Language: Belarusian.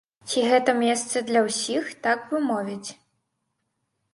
Ці гэта месца для ўсіх, так бы мовіць?